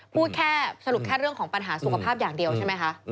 พูดแค่สรุปแค่เรื่องของปัญหาสุขภาพอย่างเดียวใช่ไหมคะ